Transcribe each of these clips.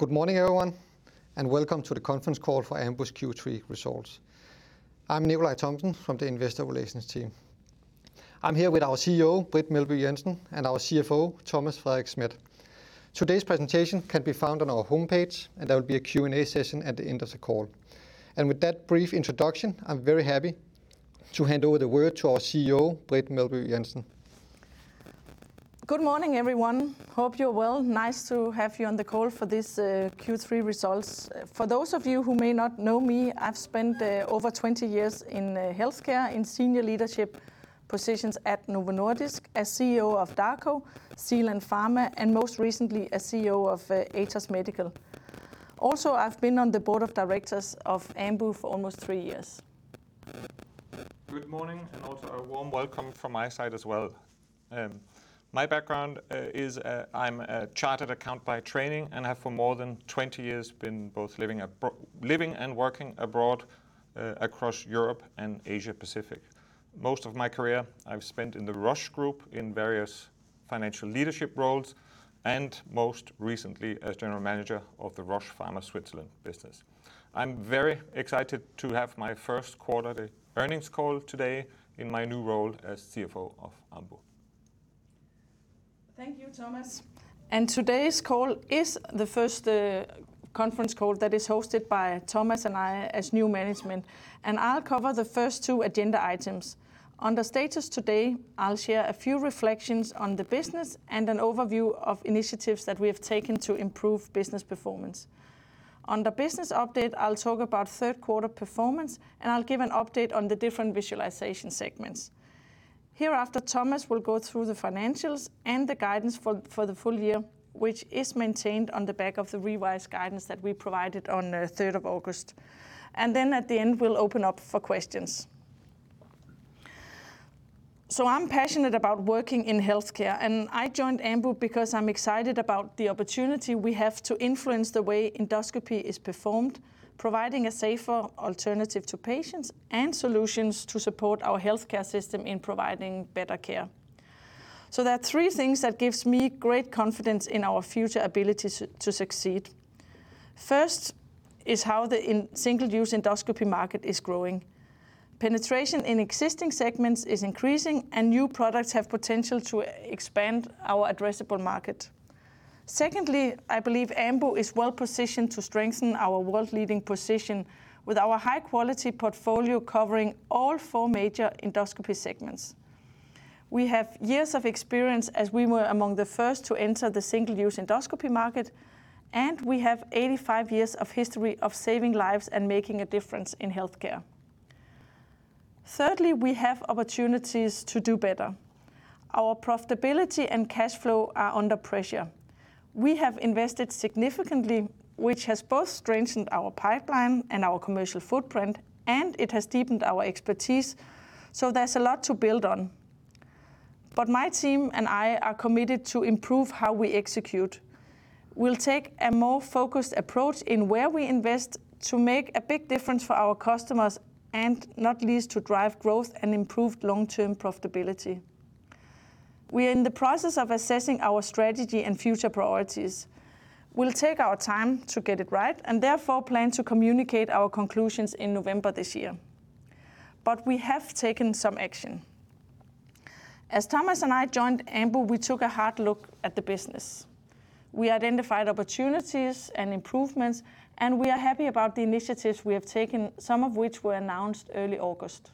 Good morning, everyone, and welcome to the conference call for Ambu's Q3 results. I'm Nicolai Thomsen from the investor relations team. I'm here with our CEO, Britt Meelby Jensen, and our CFO, Thomas Frederik Schmidt. Today's presentation can be found on our homepage, and there will be a Q&A session at the end of the call. With that brief introduction, I'm very happy to hand over the word to our CEO, Britt Meelby Jensen. Good morning, everyone. Hope you're well. Nice to have you on the call for this Q3 results. For those of you who may not know me, I've spent over 20 years in healthcare in senior leadership positions at Novo Nordisk, as CEO of Dako, Zealand Pharma, and most recently as CEO of Atos Medical. Also, I've been on the board of directors of Ambu for almost 3 years. Good morning, and also a warm welcome from my side as well. My background is, I'm a chartered accountant by training, and have for more than 20 years been both living and working abroad, across Europe and Asia Pacific. Most of my career I've spent in the Roche Group in various financial leadership roles, and most recently as general manager of the Roche Pharma Switzerland business. I'm very excited to have my first quarterly earnings call today in my new role as CFO of Ambu. Thank you, Thomas. Today's call is the first conference call that is hosted by Thomas and I as new management, and I'll cover the first two agenda items. On the status today, I'll share a few reflections on the business and an overview of initiatives that we have taken to improve business performance. On the business update, I'll talk about third quarter performance, and I'll give an update on the different visualization segments. Hereafter, Thomas will go through the financials and the guidance for the full year, which is maintained on the back of the revised guidance that we provided on the third of August. Then at the end, we'll open up for questions. I'm passionate about working in healthcare, and I joined Ambu because I'm excited about the opportunity we have to influence the way endoscopy is performed, providing a safer alternative to patients and solutions to support our healthcare system in providing better care. There are three things that gives me great confidence in our future ability to succeed. First is how the single-use endoscopy market is growing. Penetration in existing segments is increasing, and new products have potential to expand our addressable market. Secondly, I believe Ambu is well-positioned to strengthen our world-leading position with our high-quality portfolio covering all four major endoscopy segments. We have years of experience as we were among the first to enter the single-use endoscopy market, and we have 85 years of history of saving lives and making a difference in healthcare. Thirdly, we have opportunities to do better. Our profitability and cash flow are under pressure. We have invested significantly, which has both strengthened our pipeline and our commercial footprint, and it has deepened our expertise, so there's a lot to build on. My team and I are committed to improve how we execute. We'll take a more focused approach in where we invest to make a big difference for our customers and not least to drive growth and improve long-term profitability. We are in the process of assessing our strategy and future priorities. We'll take our time to get it right and therefore plan to communicate our conclusions in November this year. We have taken some action. As Thomas and I joined Ambu, we took a hard look at the business. We identified opportunities and improvements, and we are happy about the initiatives we have taken, some of which were announced early August.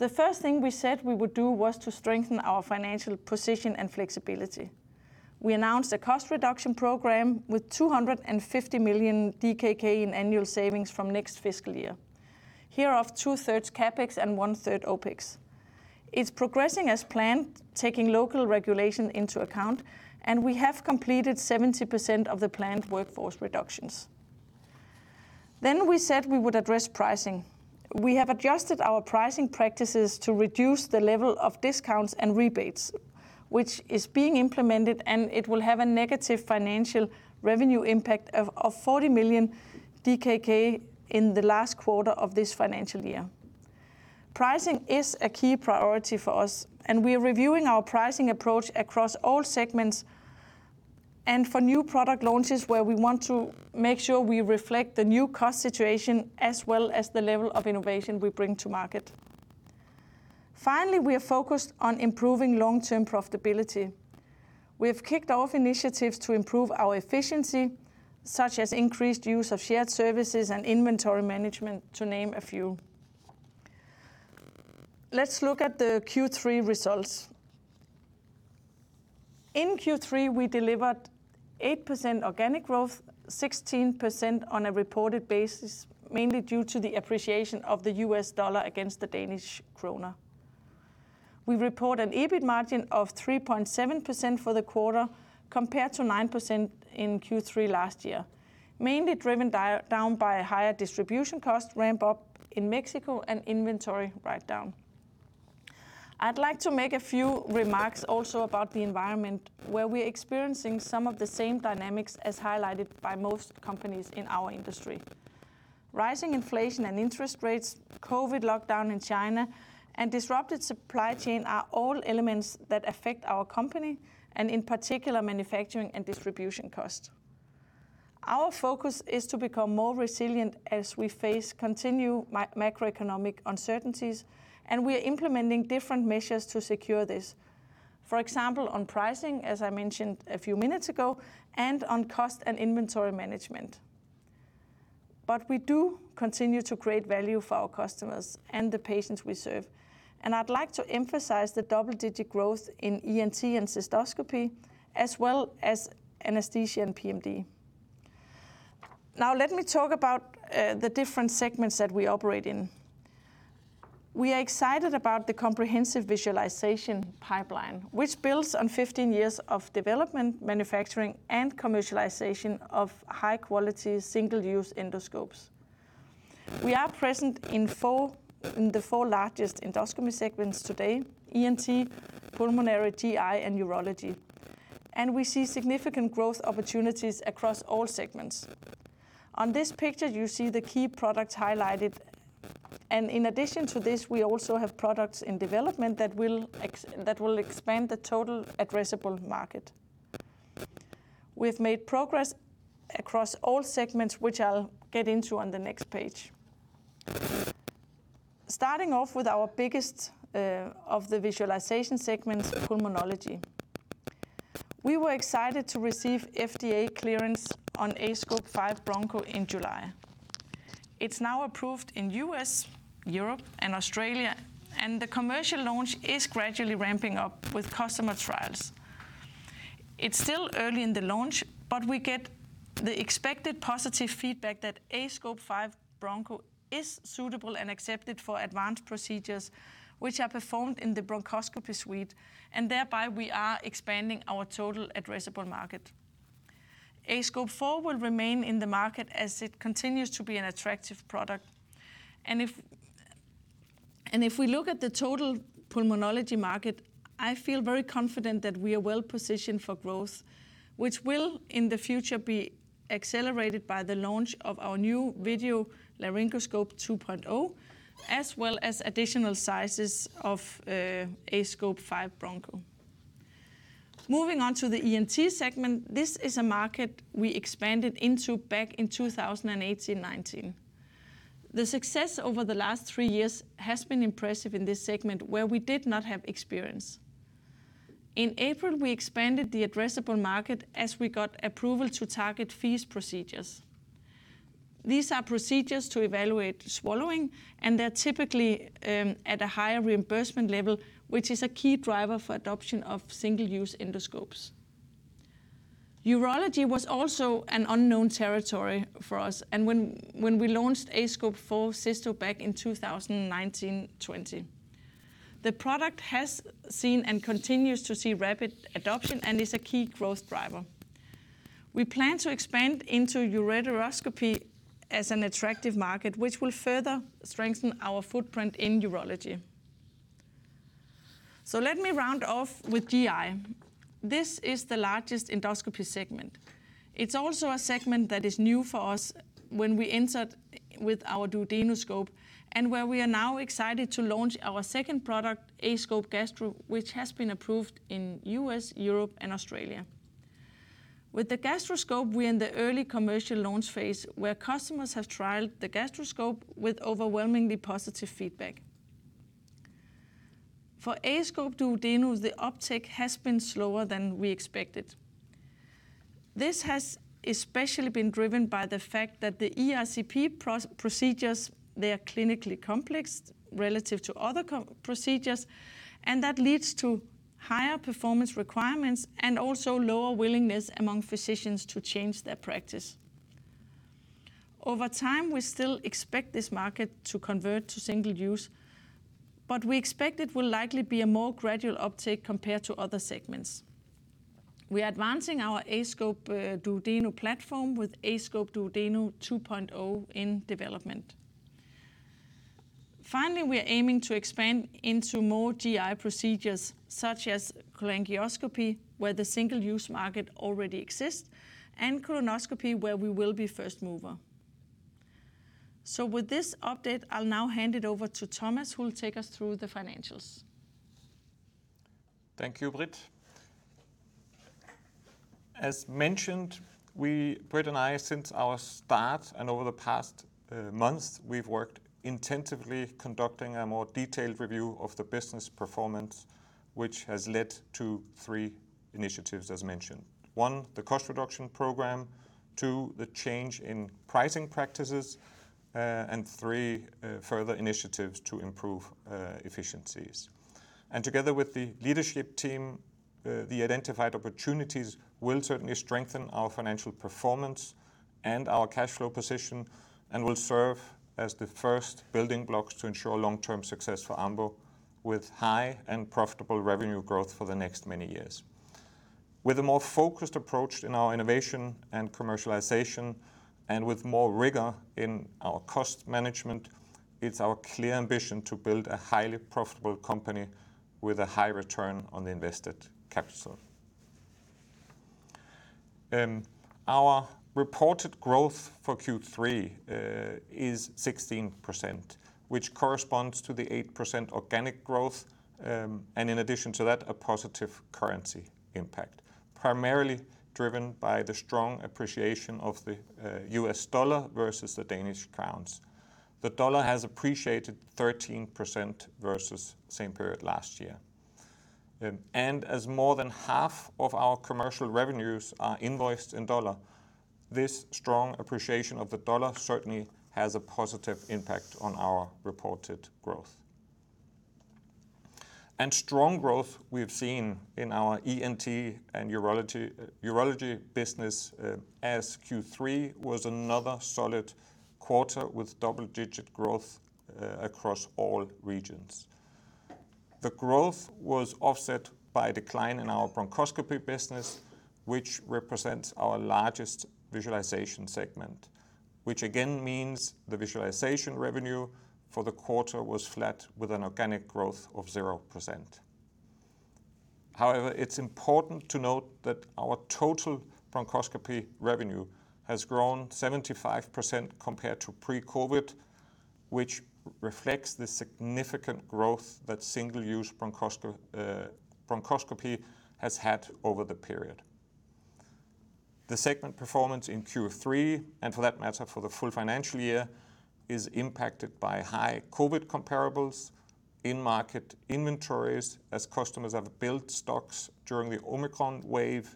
The first thing we said we would do was to strengthen our financial position and flexibility. We announced a cost reduction program with 250 million DKK in annual savings from next fiscal year. Hereof two-thirds CapEx and one-third OpEx. It's progressing as planned, taking local regulation into account, and we have completed 70% of the planned workforce reductions. We said we would address pricing. We have adjusted our pricing practices to reduce the level of discounts and rebates, which is being implemented, and it will have a negative financial revenue impact of 40 million DKK in the last quarter of this financial year. Pricing is a key priority for us, and we are reviewing our pricing approach across all segments and for new product launches where we want to make sure we reflect the new cost situation as well as the level of innovation we bring to market. Finally, we are focused on improving long-term profitability. We have kicked off initiatives to improve our efficiency, such as increased use of shared services and inventory management, to name a few. Let's look at the Q3 results. In Q3, we delivered 8% organic growth, 16% on a reported basis, mainly due to the appreciation of the US dollar against the Danish krone. We report an EBIT margin of 3.7% for the quarter compared to 9% in Q3 last year, mainly driven down by a higher distribution cost ramp-up in Mexico and inventory write-down. I'd like to make a few remarks also about the environment where we're experiencing some of the same dynamics as highlighted by most companies in our industry. Rising inflation and interest rates, COVID lockdown in China, and disrupted supply chain are all elements that affect our company, and in particular, manufacturing and distribution costs. Our focus is to become more resilient as we face continued macroeconomic uncertainties, and we are implementing different measures to secure this. For example, on pricing, as I mentioned a few minutes ago, and on cost and inventory management. We do continue to create value for our customers and the patients we serve, and I'd like to emphasize the double-digit growth in ENT and cystoscopy as well as anesthesia and PMD. Now, let me talk about the different segments that we operate in. We are excited about the comprehensive visualization pipeline, which builds on 15 years of development, manufacturing, and commercialization of high-quality, single-use endoscopes. We are present in the four largest endoscopy segments today: ENT, pulmonary, GI, and urology. We see significant growth opportunities across all segments. On this picture, you see the key products highlighted. In addition to this, we also have products in development that will expand the total addressable market. We've made progress across all segments, which I'll get into on the next page. Starting off with our biggest of the visualization segments, pulmonology. We were excited to receive FDA clearance on aScope 5 Broncho in July. It's now approved in U.S., Europe, and Australia, and the commercial launch is gradually ramping up with customer trials. It's still early in the launch, but we get the expected positive feedback that aScope 5 Broncho is suitable and accepted for advanced procedures which are performed in the bronchoscopy suite, and thereby we are expanding our total addressable market. aScope 4 will remain in the market as it continues to be an attractive product. If we look at the total pulmonology market, I feel very confident that we are well positioned for growth, which will, in the future, be accelerated by the launch of our new video laryngoscope 2.0, as well as additional sizes of aScope 5 Broncho. Moving on to the ENT segment. This is a market we expanded into back in 2018-2019. The success over the last three years has been impressive in this segment where we did not have experience. In April, we expanded the addressable market as we got approval to target FEES procedures. These are procedures to evaluate swallowing, and they're typically at a higher reimbursement level, which is a key driver for adoption of single-use endoscopes. Urology was also an unknown territory for us and when we launched aScope 4 Cysto back in 2019-20. The product has seen and continues to see rapid adoption and is a key growth driver. We plan to expand into ureteroscopy as an attractive market, which will further strengthen our footprint in urology. Let me round off with GI. This is the largest endoscopy segment. It's also a segment that is new for us when we entered with our duodenoscope and where we are now excited to launch our second product, aScope Gastro, which has been approved in U.S., Europe, and Australia. With the gastroscope, we're in the early commercial launch phase, where customers have trialed the gastroscope with overwhelmingly positive feedback. For aScope Duodeno, the uptake has been slower than we expected. This has especially been driven by the fact that the ERCP procedures, they are clinically complex relative to other procedures, and that leads to higher performance requirements and also lower willingness among physicians to change their practice. Over time, we still expect this market to convert to single-use, but we expect it will likely be a more gradual uptake compared to other segments. We are advancing our aScope Duodeno platform with aScope Duodeno 2.0 in development. Finally, we are aiming to expand into more GI procedures, such as cholangioscopy, where the single-use market already exists, and colonoscopy, where we will be first mover. With this update, I'll now hand it over to Thomas, who will take us through the financials. Thank you, Britt. As mentioned, we, Britt and I, since our start and over the past months, we've worked intensively conducting a more detailed review of the business performance, which has led to three initiatives as mentioned. One, the cost reduction program, two, the change in pricing practices, and three, further initiatives to improve efficiencies. Together with the leadership team, the identified opportunities will certainly strengthen our financial performance and our cash flow position and will serve as the first building blocks to ensure long-term success for Ambu with high and profitable revenue growth for the next many years. With a more focused approach in our innovation and commercialization and with more rigor in our cost management, it's our clear ambition to build a highly profitable company with a high return on the invested capital. Our reported growth for Q3 is 16%, which corresponds to the 8% organic growth, and in addition to that, a positive currency impact, primarily driven by the strong appreciation of the US dollar versus the Danish krone. The dollar has appreciated 13% versus same period last year. And as more than half of our commercial revenues are invoiced in dollar, this strong appreciation of the dollar certainly has a positive impact on our reported growth. Strong growth we have seen in our ENT and urology business, as Q3 was another solid quarter with double-digit growth, across all regions. The growth was offset by a decline in our bronchoscopy business, which represents our largest visualization segment, which again means the visualization revenue for the quarter was flat with an organic growth of 0%. However, it's important to note that our total bronchoscopy revenue has grown 75% compared to pre-COVID, which reflects the significant growth that single-use bronchoscopy has had over the period. The segment performance in Q3, and for that matter, for the full financial year, is impacted by high COVID comparables in market inventories as customers have built stocks during the Omicron wave,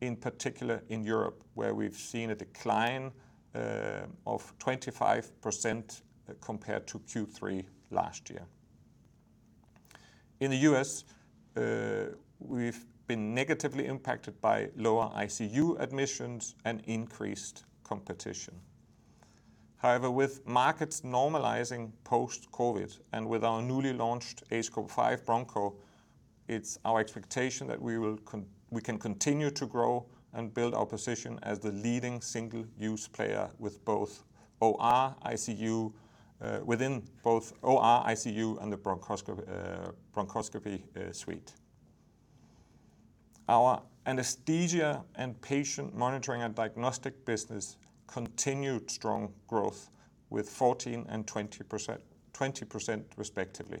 in particular in Europe, where we've seen a decline of 25% compared to Q3 last year. In the U.S., we've been negatively impacted by lower ICU admissions and increased competition. However, with markets normalizing post-COVID and with our newly launched aScope 5 Broncho, it's our expectation that we can continue to grow and build our position as the leading single-use player within both OR, ICU, and the bronchoscopy suite. Our anesthesia and patient monitoring and diagnostic business continued strong growth with 14% and 20%, 20% respectively,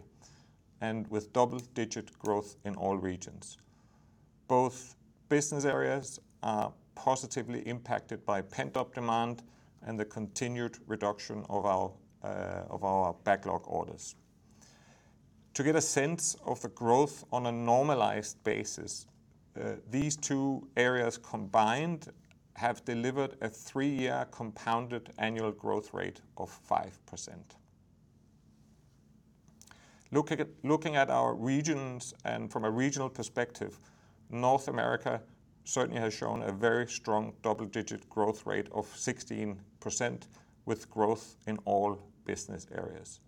and with double-digit growth in all regions. Both business areas are positively impacted by pent-up demand and the continued reduction of our backlog orders. To get a sense of the growth on a normalized basis, these two areas combined have delivered a three-year compounded annual growth rate of 5%. Looking at our regions and from a regional perspective, North America certainly has shown a very strong double-digit growth rate of 16% with growth in all business areas.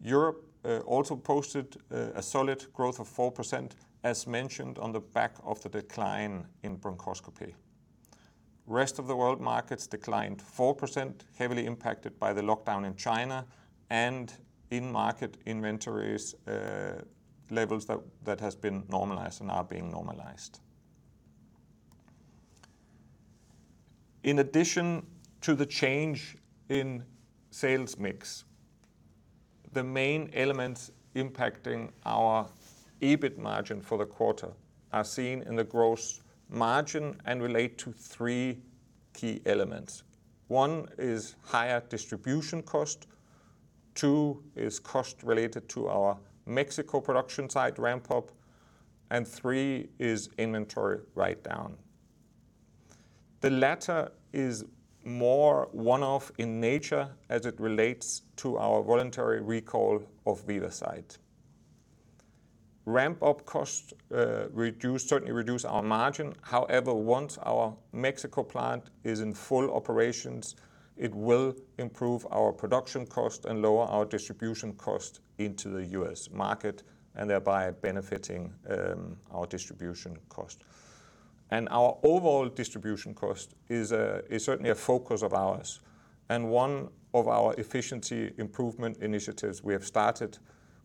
Europe also posted a solid growth of 4% as mentioned on the back of the decline in bronchoscopy. Rest of the world markets declined 4%, heavily impacted by the lockdown in China and in-market inventories levels that has been normalized and are being normalized. In addition to the change in sales mix, the main elements impacting our EBIT margin for the quarter are seen in the gross margin and relate to three key elements. One is higher distribution cost, two is cost related to our Mexico production site ramp-up, and three is inventory write-down. The latter is more one-off in nature as it relates to our voluntary recall of VivaSight. Ramp-up cost certainly reduce our margin. However, once our Mexico plant is in full operations, it will improve our production cost and lower our distribution cost into the U.S. market and thereby benefiting our distribution cost. Our overall distribution cost is certainly a focus of ours, and one of our efficiency improvement initiatives we have started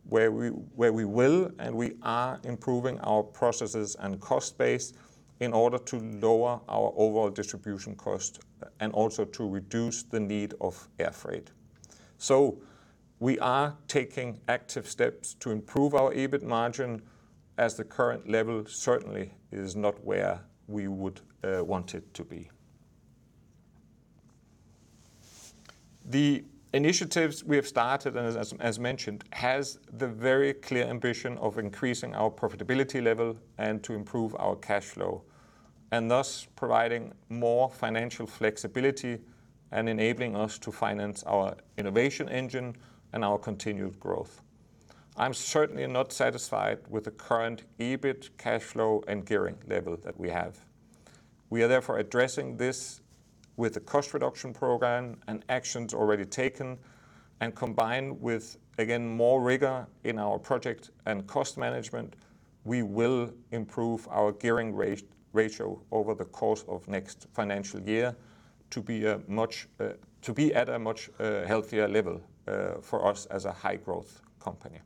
where we will and we are improving our processes and cost base in order to lower our overall distribution cost and also to reduce the need of air freight. We are taking active steps to improve our EBIT margin, as the current level certainly is not where we would want it to be. The initiatives we have started, as mentioned, has the very clear ambition of increasing our profitability level and to improve our cash flow, and thus providing more financial flexibility and enabling us to finance our innovation engine and our continued growth. I'm certainly not satisfied with the current EBIT cash flow and gearing level that we have. We are therefore addressing this with a cost reduction program and actions already taken and combined with, again, more rigor in our project and cost management, we will improve our gearing ratio over the course of next financial year to be at a much healthier level for us as a high-growth company.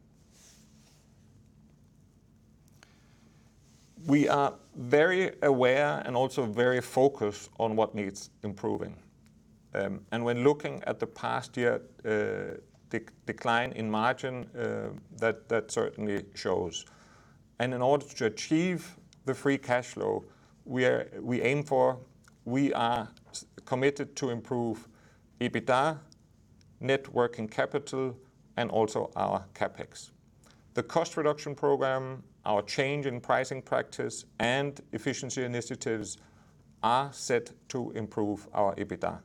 We are very aware and also very focused on what needs improving. When looking at the past year, decline in margin, that certainly shows. In order to achieve the free cash flow we aim for, we are committed to improve EBITDA, net working capital, and also our CapEx. The cost reduction program, our change in pricing practice, and efficiency initiatives are set to improve our EBITDA.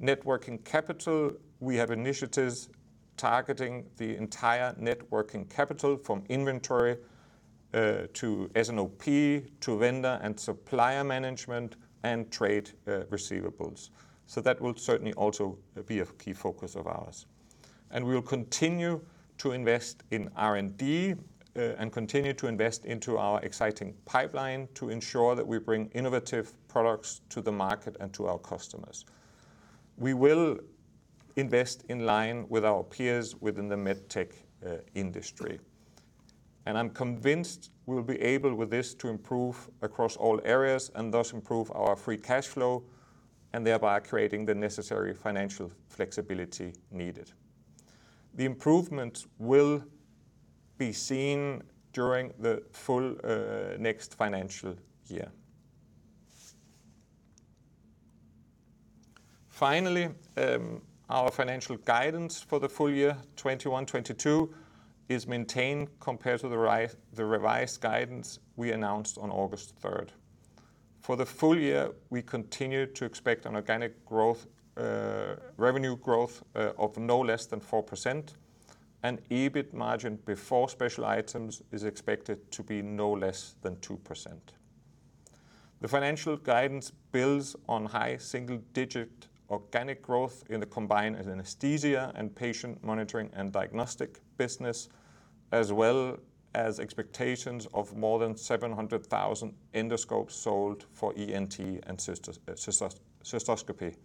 Net working capital, we have initiatives targeting the entire net working capital from inventory to S&OP, to vendor and supplier management and trade receivables. That will certainly also be a key focus of ours. We will continue to invest in R&D and continue to invest into our exciting pipeline to ensure that we bring innovative products to the market and to our customers. We will invest in line with our peers within the med tech industry. I'm convinced we'll be able with this to improve across all areas and thus improve our free cash flow and thereby creating the necessary financial flexibility needed. The improvement will be seen during the full next financial year. Finally, our financial guidance for the full year 2021, 2022 is maintained compared to the revised guidance we announced on August third. For the full year, we continue to expect an organic growth, revenue growth, of no less than 4% and EBIT margin before special items is expected to be no less than 2%. The financial guidance builds on high single digit organic growth in the combined anesthesia and patient monitoring and diagnostic business, as well as expectations of more than 700,000 endoscopes sold for ENT and cystoscopy.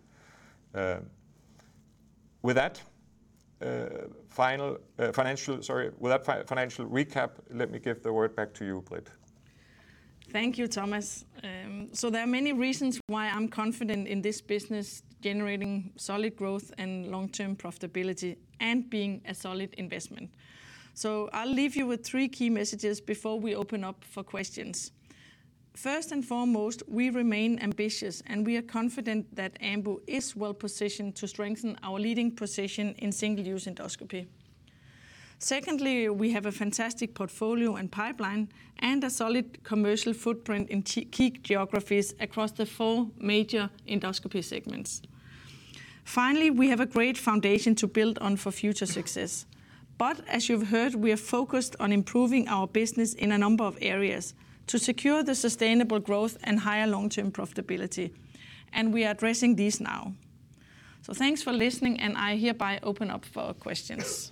With that, final financial. Sorry, with that financial recap, let me give the word back to you, Britt. Thank you, Thomas. So there are many reasons why I'm confident in this business generating solid growth and long-term profitability and being a solid investment. I'll leave you with three key messages before we open up for questions. First and foremost, we remain ambitious, and we are confident that Ambu is well-positioned to strengthen our leading position in single-use endoscopy. Secondly, we have a fantastic portfolio and pipeline and a solid commercial footprint in key geographies across the four major endoscopy segments. Finally, we have a great foundation to build on for future success. As you've heard, we are focused on improving our business in a number of areas to secure the sustainable growth and higher long-term profitability, and we are addressing these now. Thanks for listening, and I hereby open up for questions.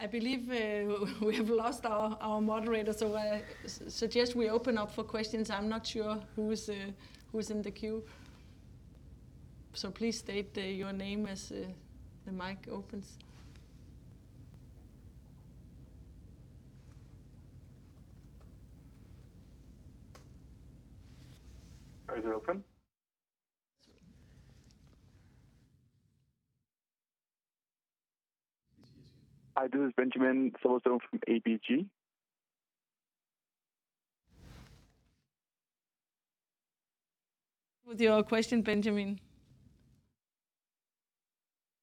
Any questions? Okay. I believe we have lost our moderator, so I suggest we open up for questions. I'm not sure who is in the queue. Please state your name as the mic opens. Is it open? I do. This is Benjamin Sølvsten from ABG. With your question, Benjamin.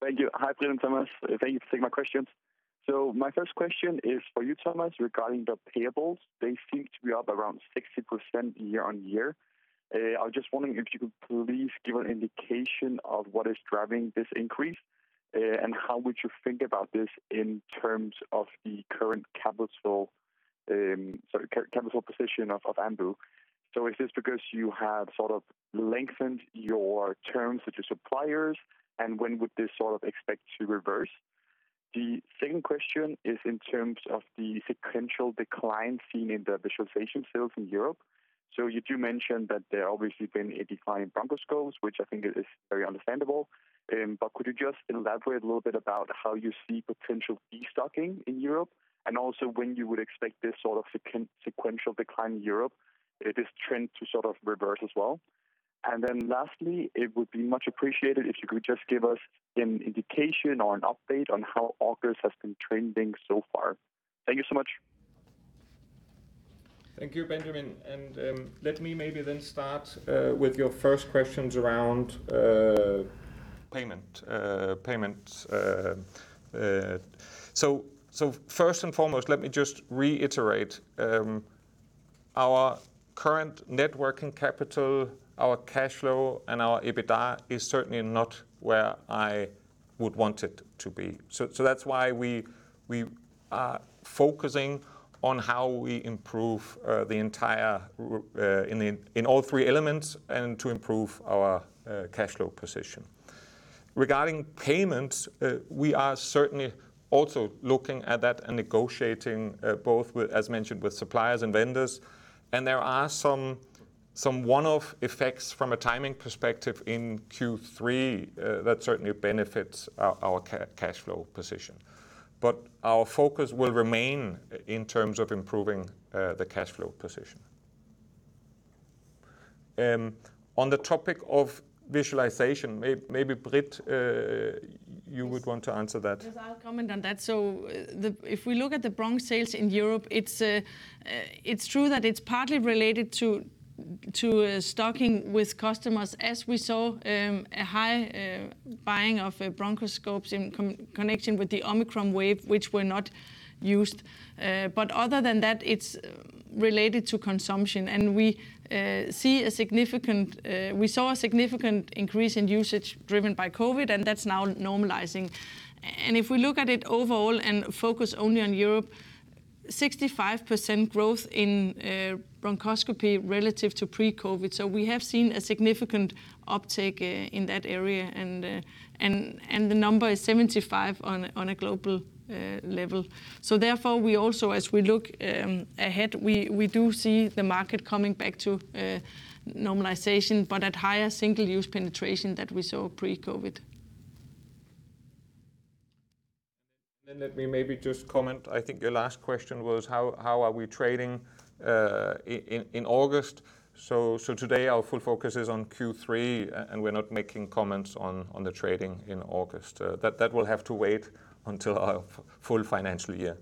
Thank you. Hi, Britt and Thomas. Thank you for taking my questions. My first question is for you, Thomas, regarding the payables. They seem to be up around 60% year-on-year. I was just wondering if you could please give an indication of what is driving this increase, and how would you think about this in terms of the current capital position of Ambu. Is this because you have sort of lengthened your terms with your suppliers, and when would this sort of expect to reverse? The second question is in terms of the sequential decline seen in the visualization sales in Europe. You do mention that there obviously been a decline in bronchoscope, which I think is very understandable. Could you just elaborate a little bit about how you see potential destocking in Europe and also when you would expect this sort of sequential decline in Europe, this trend to sort of reverse as well? Lastly, it would be much appreciated if you could just give us an indication or an update on how August has been trending so far. Thank you so much. Thank you, Benjamin. Let me maybe then start with your first questions around payment. First and foremost, let me just reiterate. Our current net working capital, our cash flow, and our EBITDA is certainly not where I would want it to be. That's why we are focusing on how we improve in all three elements and to improve our cash flow position. Regarding payments, we are certainly also looking at that and negotiating both with, as mentioned, with suppliers and vendors, and there are some one-off effects from a timing perspective in Q3 that certainly benefits our cash flow position. Our focus will remain in terms of improving the cash flow position. On the topic of visualization, maybe Britt, you would want to answer that. Yes, I'll comment on that. If we look at the bronch sales in Europe, it's true that it's partly related to stocking with customers as we saw a high buying of bronchoscopes in connection with the Omicron wave, which were not used. But other than that, it's related to consumption, and we saw a significant increase in usage driven by COVID, and that's now normalizing. If we look at it overall and focus only on Europe, 65% growth in bronchoscopy relative to pre-COVID. We have seen a significant uptake in that area and the number is 75 on a global level. We also, as we look ahead, do see the market coming back to normalization, but at higher single-use penetration than we saw pre-COVID. Then let me maybe just comment. I think your last question was how are we trading in August. Today our full focus is on Q3 and we're not making comments on the trading in August. That will have to wait until our full financial year.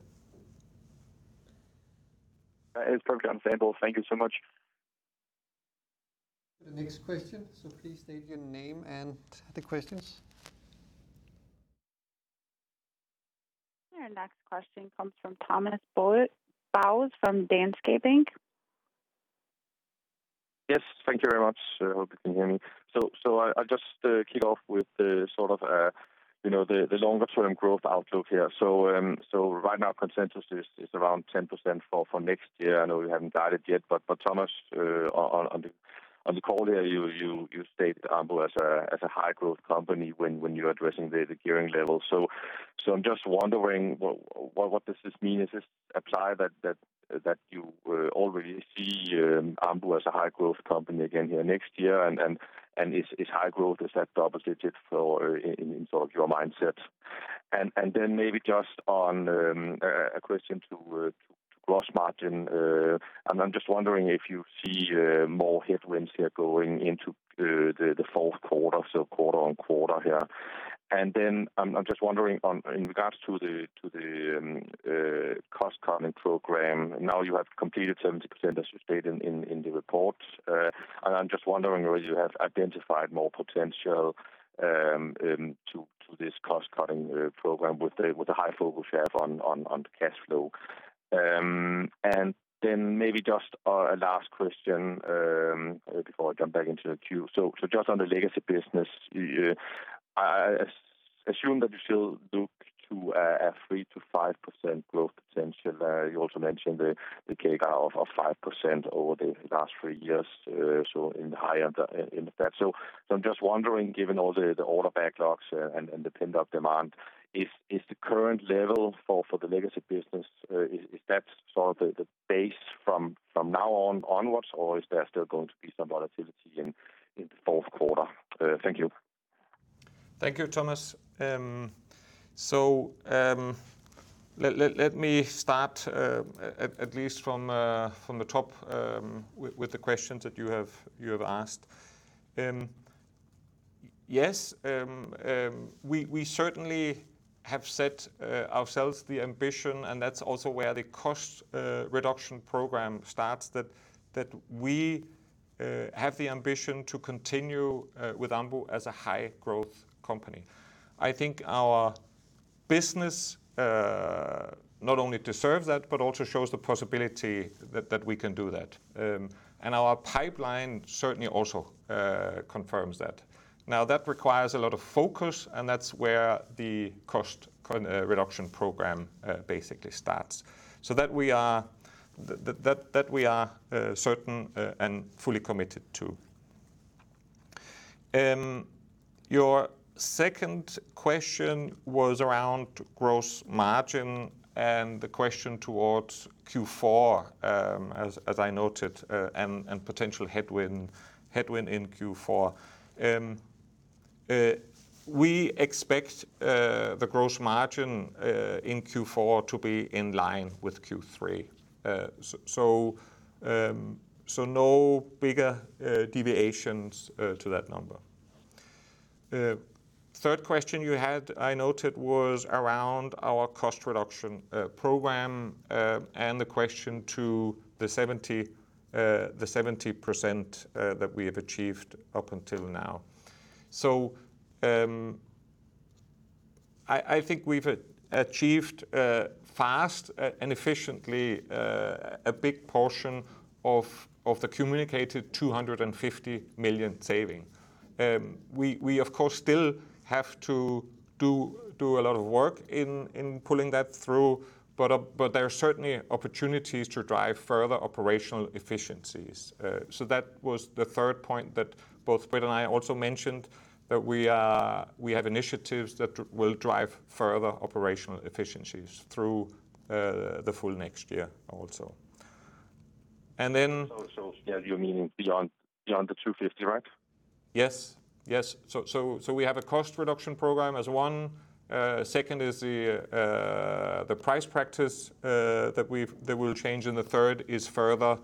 That is perfectly understandable. Thank you so much. The next question, so please state your name and the questions. Our next question comes from Thomas Bowers from Danske Bank. Yes. Thank you very much. Hope you can hear me. I'll just kick off with the sort of longer term growth outlook here. Right now consensus is around 10% for next year. I know you haven't guided yet, but for Thomas on the call here, you state Ambu as a high growth company when you're addressing the gearing level. I'm just wondering what does this mean? Does this apply that you already see Ambu as a high growth company again here next year? Is high growth that double digits or in sort of your mindset? Then maybe just on a question to gross margin. I'm just wondering if you see more headwinds here going into the fourth quarter, so quarter-on-quarter here. Then I'm just wondering in regards to the cost cutting program. Now you have completed 70% as you stated in the report. I'm just wondering whether you have identified more potential to this cost cutting program with the high focus you have on cash flow. Maybe just a last question before I jump back into the queue. Just on the legacy business, I assume that you still look to a 3%-5% growth potential. You also mentioned the CAGR of 5% over the last three years, so in the high end in that. I'm just wondering, given all the order backlogs and the pent-up demand, is the current level for the legacy business that sort of the base from now on onwards, or is there still going to be some volatility in the fourth quarter? Thank you. Thank you, Thomas. So, let me start, at least from the top, with the questions that you have asked. Yes, we certainly have set ourselves the ambition, and that's also where the cost reduction program starts, that we have the ambition to continue with Ambu as a high growth company. I think our business not only deserves that, but also shows the possibility that we can do that. And our pipeline certainly also confirms that. Now, that requires a lot of focus, and that's where the cost reduction program basically starts. That we are certain and fully committed to. Your second question was around gross margin and the question toward Q4, as I noted, and potential headwind in Q4. We expect the gross margin in Q4 to be in line with Q3. No bigger deviations to that number. Third question you had, I noted, was around our cost reduction program, and the question to the 70% that we have achieved up until now. I think we've achieved fast and efficiently a big portion of the communicated 250 million saving. We of course still have to do a lot of work in pulling that through, but there are certainly opportunities to drive further operational efficiencies. That was the third point that both Britt and I also mentioned that we have initiatives that will drive further operational efficiencies through the full next year also. Yeah, you mean beyond the 250, right? Yes. We have a cost reduction program as one. Second is the price practice that will change, and the third is further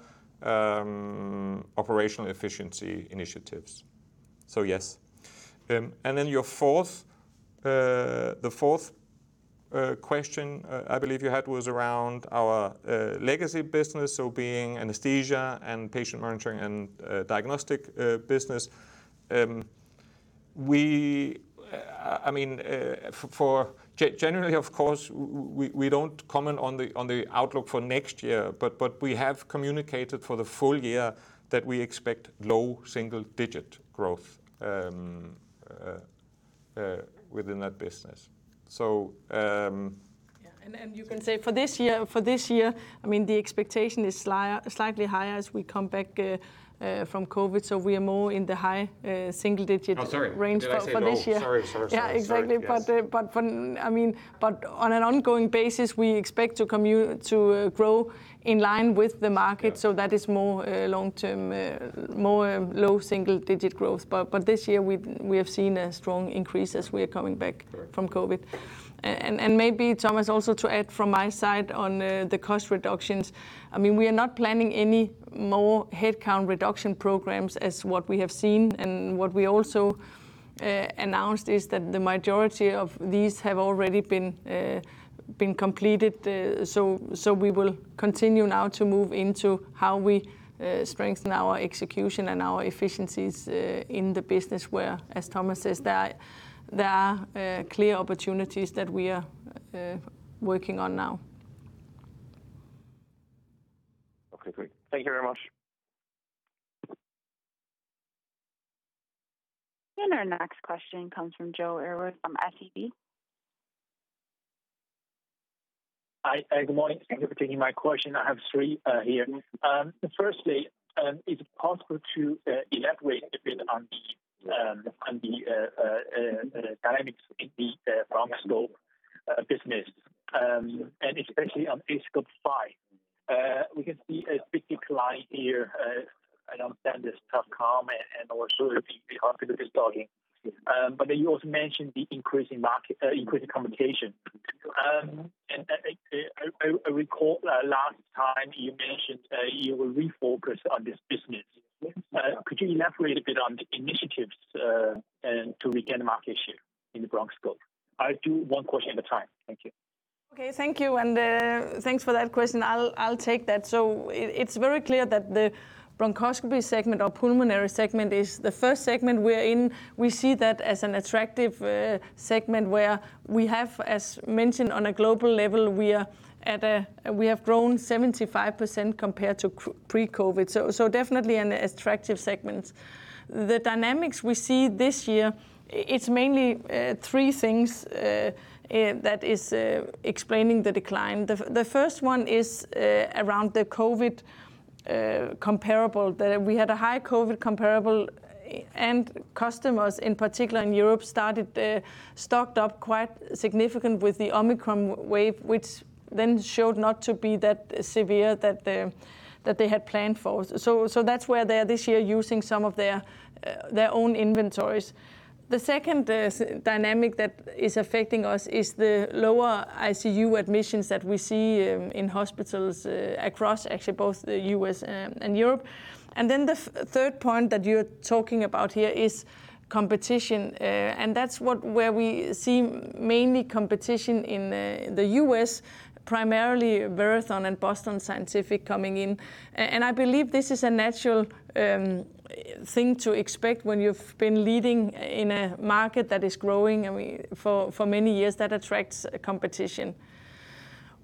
operational efficiency initiatives. Yes. And then your fourth question, I believe you had was around our legacy business, so being anesthesia and patient monitoring and diagnostic business. We, I mean, generally, of course, we don't comment on the outlook for next year, but we have communicated for the full year that we expect low single digit growth within that business. You can say for this year, I mean, the expectation is slightly higher as we come back from COVID. We are more in the high single digit- Oh, sorry. range for this year. Did I say low? Sorry. Yeah, exactly. Sorry, yes. I mean, but on an ongoing basis, we expect to grow in line with the market. Yeah. That is more long term more low single digit growth. This year we have seen a strong increase as we are coming back. Correct. From COVID. Maybe Thomas also to add from my side on the cost reductions. I mean, we are not planning any more headcount reduction programs as what we have seen. What we also announced is that the majority of these have already been completed. We will continue now to move into how we strengthen our execution and our efficiencies in the business where, as Thomas says, there are clear opportunities that we are working on now. Okay, great. Thank you very much. Our next question comes from Yiwei Zhou from SEB. Hi. Good morning. Thank you for taking my question. I have three here. Firstly, is it possible to elaborate a bit on the dynamics in the bronchoscope business, and especially on aScope 5? We can see a big decline here. I understand there's tough comp and also the hospital restocking. But then you also mentioned the increasing competition. I recall last time you mentioned you will refocus on this business. Yes. Could you elaborate a bit on the initiatives to regain market share in the bronchoscope? I'll do one question at a time. Thank you. Okay, thank you, and thanks for that question. I'll take that. It's very clear that the bronchoscopy segment or pulmonary segment is the first segment we are in. We see that as an attractive segment where we have, as mentioned, on a global level, we have grown 75% compared to pre-COVID. Definitely an attractive segment. The dynamics we see this year, it's mainly three things that is explaining the decline. The first one is around the COVID comparable, that we had a high COVID comparable, and customers, in particular in Europe, started stocked up quite significant with the Omicron wave, which then showed not to be that severe that they had planned for. That's where they are this year using some of their own inventories. The second dynamic that is affecting us is the lower ICU admissions that we see in hospitals across actually both the U.S. and Europe. The third point that you're talking about here is competition. That's where we see mainly competition in the U.S., primarily Verathon and Boston Scientific coming in. And I believe this is a natural thing to expect when you've been leading in a market that is growing. I mean, for many years, that attracts competition.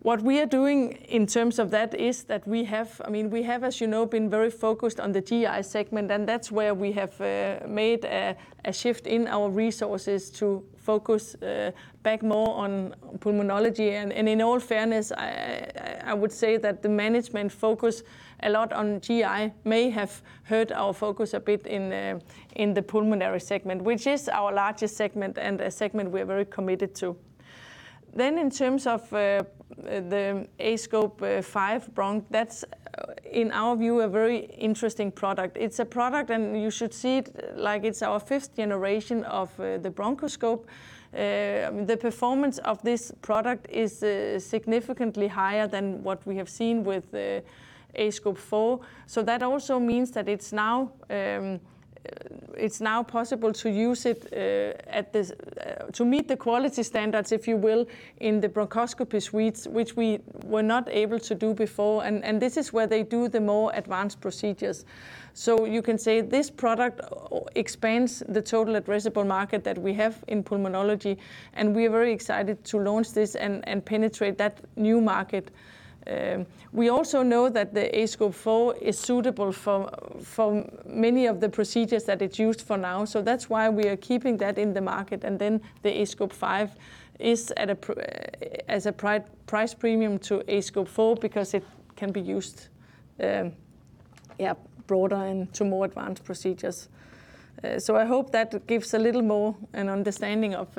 What we are doing in terms of that is that we have I mean, we have, as you know, been very focused on the GI segment, and that's where we have made a shift in our resources to focus back more on pulmonology. In all fairness, I would say that the management focus a lot on GI may have hurt our focus a bit in the pulmonary segment, which is our largest segment and a segment we're very committed to. In terms of the aScope 5 Broncho, that's, in our view, a very interesting product. It's a product, and you should see it like it's our fifth generation of the bronchoscope. The performance of this product is significantly higher than what we have seen with aScope 4. That also means that it's now possible to use it to meet the quality standards, if you will, in the bronchoscopy suites, which we were not able to do before. This is where they do the more advanced procedures. You can say this product expands the total addressable market that we have in pulmonology, and we are very excited to launch this and penetrate that new market. We also know that the aScope 4 is suitable for many of the procedures that it's used for now. That's why we are keeping that in the market. Then the aScope 5 is at a price premium to aScope 4 because it can be used broader and to more advanced procedures. I hope that gives a little more of an understanding of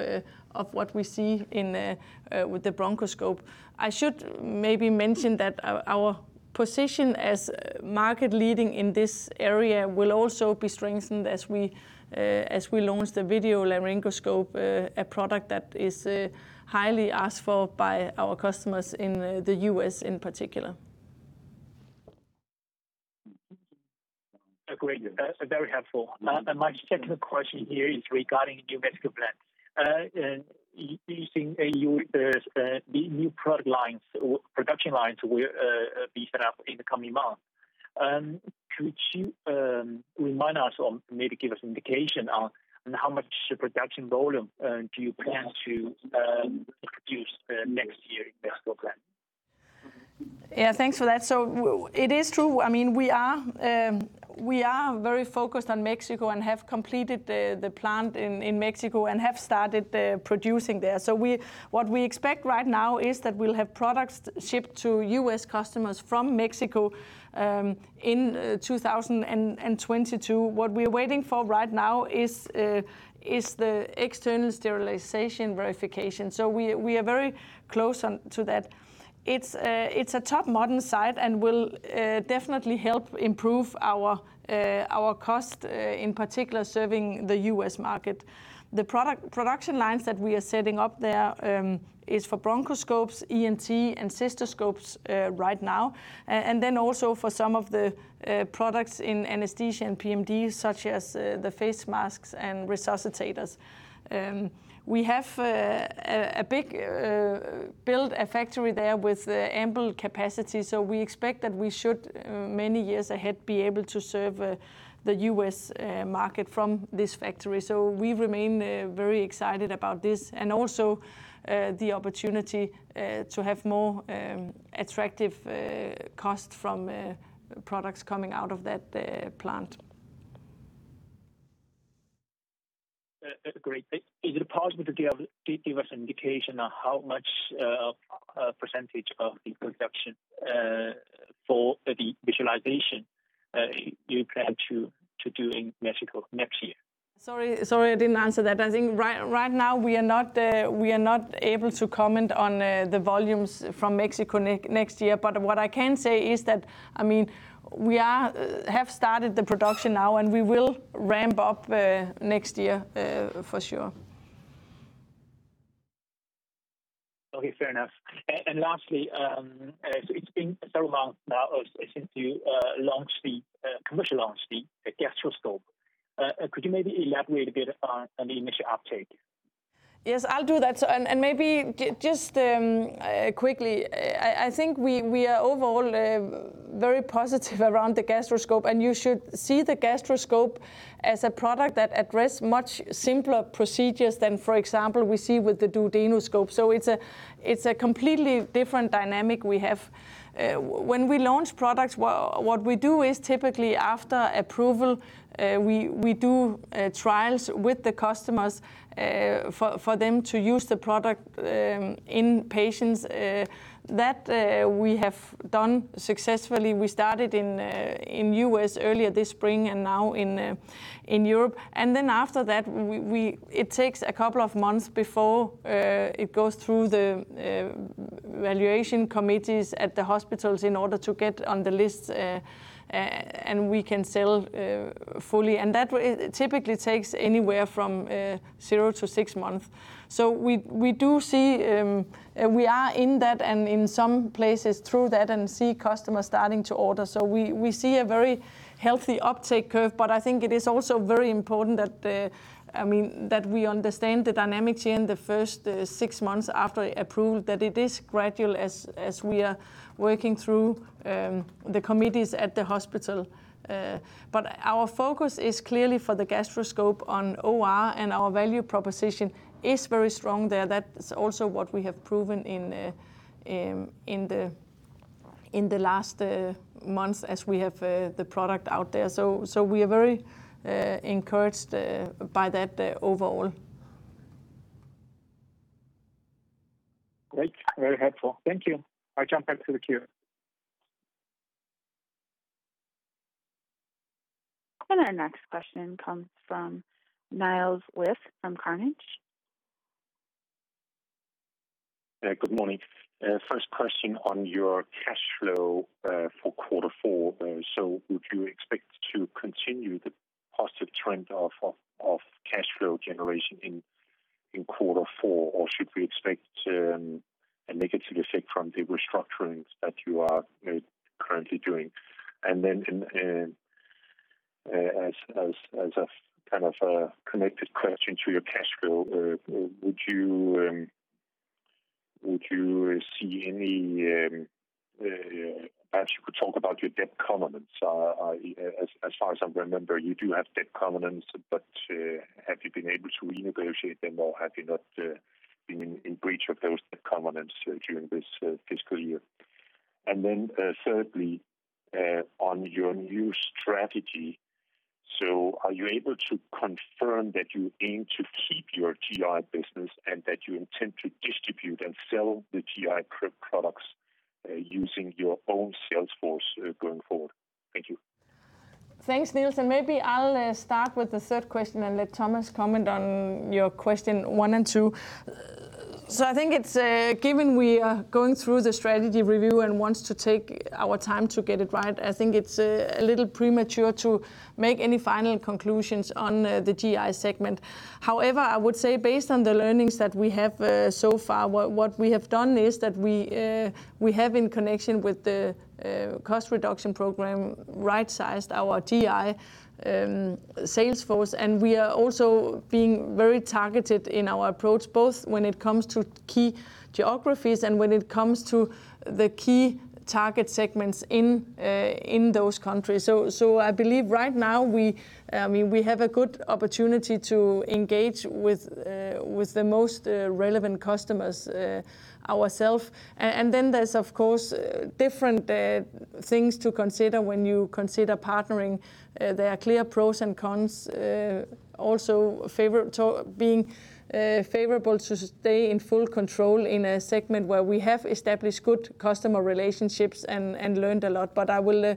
what we see and with the bronchoscope. I should maybe mention that our position as market-leading in this area will also be strengthened as we launch the video laryngoscope, a product that is highly asked for by our customers in the U.S. in particular. Agreed. That's very helpful. My second question here is regarding Mexico plant. Using a new product lines or production lines will be set up in the coming months. Could you remind us or maybe give us indication on how much production volume do you plan to produce next year in Mexico plant? Yeah, thanks for that. It is true. I mean, we are very focused on Mexico and have completed the plant in Mexico and have started producing there. What we expect right now is that we'll have products shipped to U.S. customers from Mexico in 2022. What we're waiting for right now is the external sterilization verification. We are very close to that. It's a top modern site, and will definitely help improve our cost in particular, serving the U.S. market. The production lines that we are setting up there is for bronchoscopes, ENT, and cystoscopes right now. Then also for some of the products in anesthesia and PMD, such as the face masks and resuscitators. We have built a factory there with ample capacity. We expect that we should, many years ahead, be able to serve the U.S. market from this factory. We remain very excited about this and also the opportunity to have more attractive costs from products coming out of that plant. Great. Is it possible to give us an indication on how much percentage of the production for the visualization you plan to do in Mexico next year? Sorry I didn't answer that. I think right now we are not able to comment on the volumes from Mexico next year. What I can say is that, I mean, we have started the production now, and we will ramp up next year for sure. Okay, fair enough. Lastly, it's been several months now since you commercially launched the gastroscope. Could you maybe elaborate a bit on the initial uptake? Yes, I'll do that. Maybe just quickly, I think we are overall very positive around the gastroscope, and you should see the gastroscope as a product that address much simpler procedures than, for example, we see with the duodenoscope. It's a completely different dynamic we have. When we launch products, what we do is typically after approval, we do trials with the customers for them to use the product in patients that we have done successfully. We started in U.S. earlier this spring and now in Europe. Then after that, it takes a couple of months before it goes through the valuation committees at the hospitals in order to get on the list and we can sell fully. That typically takes anywhere from 0-6 months. We do see we are in that and in some places through that and see customers starting to order. We see a very healthy uptake curve. I think it is also very important that I mean that we understand the dynamics in the first six months after approval, that it is gradual as we are working through the committees at the hospital. Our focus is clearly for the gastroscope on OR and our value proposition is very strong there. That is also what we have proven in the last months as we have the product out there. We are very encouraged by that overall. Great. Very helpful. Thank you. I'll jump back to the queue. Our next question comes from Niels Granholm-Leth from Carnegie. Yeah. Good morning. First question on your cash flow for quarter four. Would you expect to continue the positive trend of cash flow generation in In quarter four, should we expect a negative effect from the restructurings that you are currently doing? As a kind of a connected question to your cash flow, would you see any, perhaps you could talk about your debt covenants. As far as I remember, you do have debt covenants, but have you been able to renegotiate them or have you not been in breach of those debt covenants during this fiscal year? Thirdly, on your new strategy, are you able to confirm that you aim to keep your GI business and that you intend to distribute and sell the GI products using your own sales force going forward? Thank you. Thanks, Niels. Maybe I'll start with the third question and let Thomas comment on your question one and two. I think it's given we are going through the strategy review and wants to take our time to get it right. I think it's a little premature to make any final conclusions on the GI segment. However, I would say based on the learnings that we have so far, what we have done is that we have in connection with the cost reduction program, right-sized our GI sales force. We are also being very targeted in our approach, both when it comes to key geographies and when it comes to the key target segments in those countries. I believe right now we have a good opportunity to engage with the most relevant customers ourselves. There's of course different things to consider when you consider partnering. There are clear pros and cons also favorable to stay in full control in a segment where we have established good customer relationships and learned a lot. I will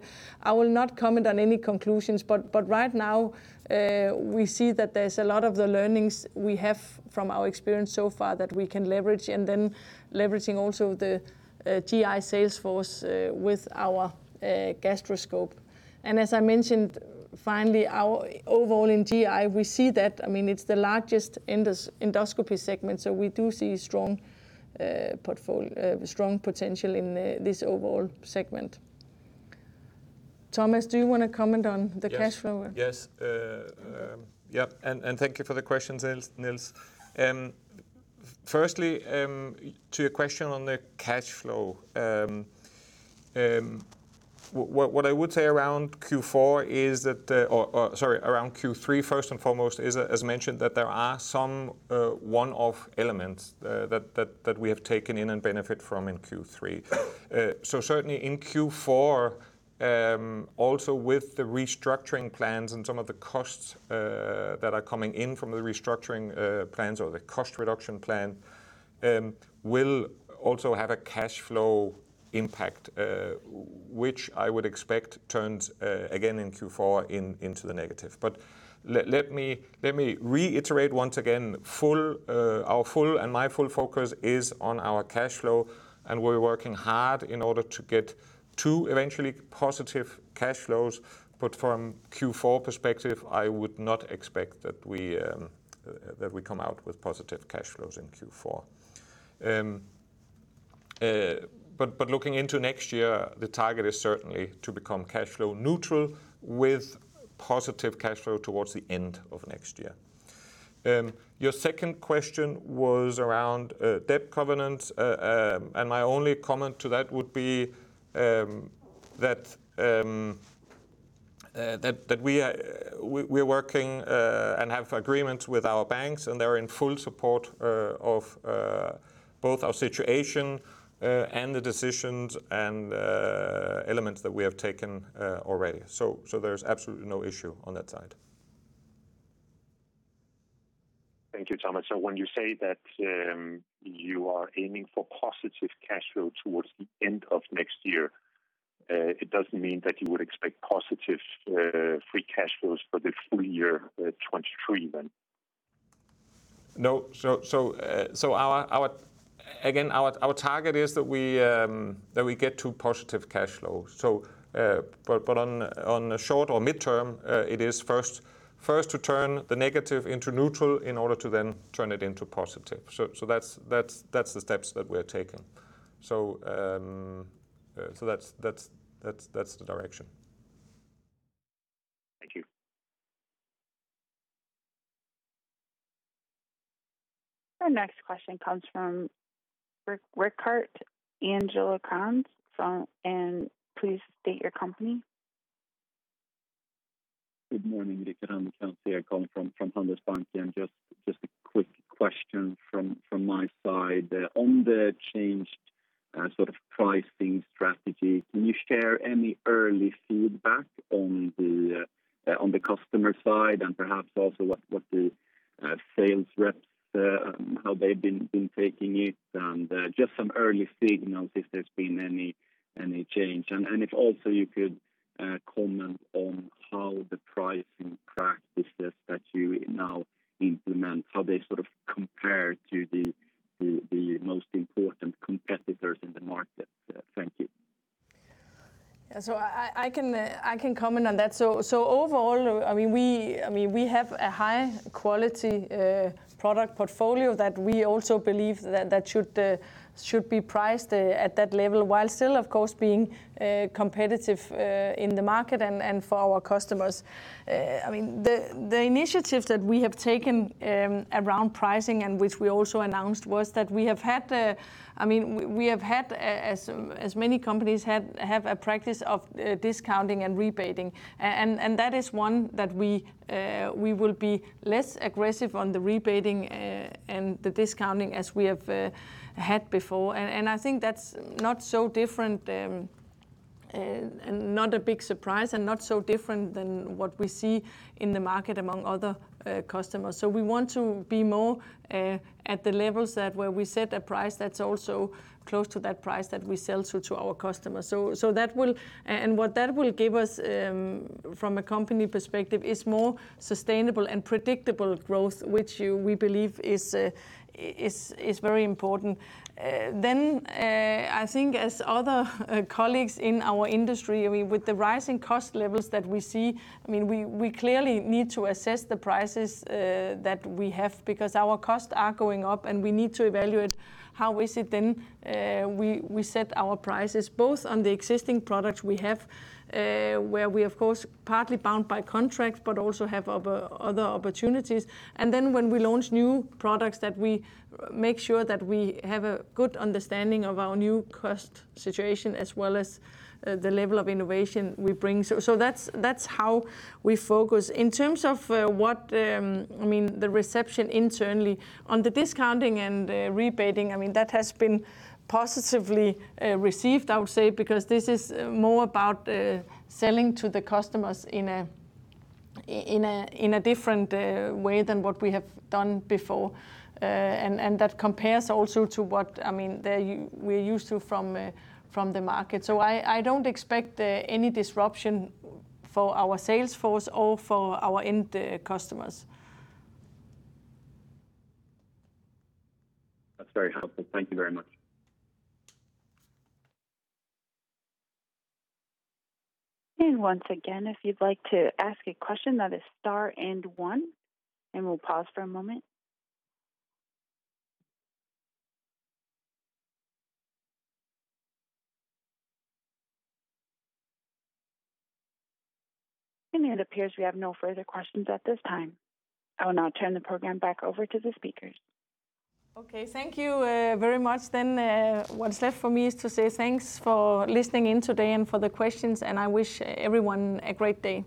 not comment on any conclusions. Right now we see that there's a lot of the learnings we have from our experience so far that we can leverage, and then leveraging also the GI sales force with our gastroscope. As I mentioned, finally, our Overall in GI, we see that, I mean, it's the largest endoscopy segment, so we do see strong potential in this overall segment. Thomas, do you wanna comment on the cash flow? Yes. Yes. Thank you for the questions, Nils. Firstly, to your question on the cash flow. What I would say around Q3, first and foremost, is as mentioned, that there are some one-off elements that we have taken in and benefit from in Q3. Certainly in Q4, also with the restructuring plans and some of the costs that are coming in from the restructuring plans or the cost reduction plan, will also have a cash flow impact, which I would expect turns again in Q4 into the negative. Let me reiterate once again, our full and my full focus is on our cash flow, and we're working hard in order to get to eventually positive cash flows. From Q4 perspective, I would not expect that we come out with positive cash flows in Q4. Looking into next year, the target is certainly to become cash flow neutral with positive cash flow towards the end of next year. Your second question was around debt covenants. My only comment to that would be that we are working and have agreements with our banks and they're in full support of both our situation and the decisions and elements that we have taken already. There's absolutely no issue on that side. Thank you, Thomas. When you say that, you are aiming for positive cash flow towards the end of next year, it doesn't mean that you would expect positive free cash flows for the full year, 2023 then? No. Our target is that we get to positive cash flow. On the short or midterm, it is first to turn the negative into neutral in order to then turn it into positive. That's the steps that we're taking. That's the direction. Thank you. Our next question comes from Rickard Anderkrans. Please state your company. Good morning. Rickard Anderkrans here coming from Handelsbanken. Just a quick question from my side. On the changed sort of pricing strategy, can you share any early feedback on the customer side and perhaps also what the sales reps how they've been taking it? Just some early signals if there's been any change. If also you could comment on how the pricing practices that you now implement, how they sort of compare to the most important competitors in the market. Thank you. Yeah, I can comment on that. Overall, I mean, we have a high quality product portfolio that we also believe that should be priced at that level while still, of course, being competitive in the market and for our customers. I mean, the initiatives that we have taken around pricing and which we also announced was that we have had, I mean, we have had as many companies have a practice of discounting and rebating. That is one that we will be less aggressive on the rebating and the discounting as we have had before. I think that's not so different and not a big surprise and not so different than what we see in the market among other customers. We want to be more at the levels that where we set a price that's also close to that price that we sell to our customers. That will give us from a company perspective more sustainable and predictable growth, which we believe is very important. I think as other colleagues in our industry, I mean, with the rising cost levels that we see, I mean, we clearly need to assess the prices that we have because our costs are going up, and we need to evaluate how is it then we set our prices, both on the existing products we have, where we, of course, partly bound by contracts but also have other opportunities. When we launch new products that we make sure that we have a good understanding of our new cost situation as well as the level of innovation we bring. That's how we focus. In terms of the reception internally on the discounting and rebating, I mean, that has been positively received, I would say, because this is more about selling to the customers in a different way than what we have done before. That compares also to what I mean we're used to from the market. I don't expect any disruption for our sales force or for our end customers. That's very helpful. Thank you very much. Once again, if you'd like to ask a question, that is star and one, and we'll pause for a moment. It appears we have no further questions at this time. I will now turn the program back over to the speakers. Okay. Thank you, very much. What's left for me is to say thanks for listening in today and for the questions, and I wish everyone a great day.